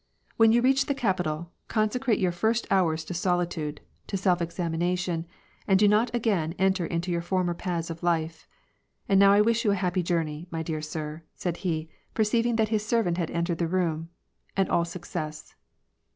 When you reach the capital, consecrate your first hours to solitude, to self examination, and do not again enter into your former paths of life. And now I wish you a happy journey, my dear sir/' said he, perceiving that his servant had entered the room, " and all success."